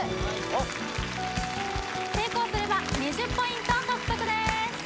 成功すれば２０ポイント獲得です